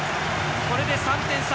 これで３点差。